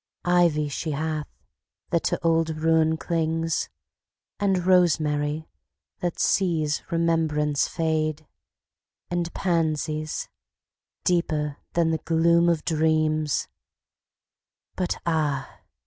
Ivy she hath, that to old ruin clings; And rosemary, that sees remembrance fade; And pansies, deeper than the gloom of dreams; But ah!